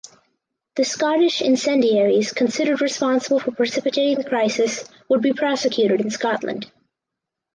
The Scottish "incendiaries" considered responsible for precipitating the crisis would be prosecuted in Scotland.